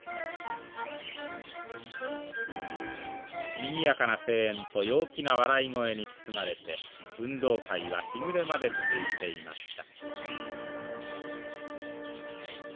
にぎやかな声援と陽気な笑い声に包まれて運動会は日暮れまで続いていました。